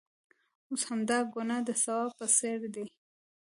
اوس همدا ګناه د ثواب په څېر ده.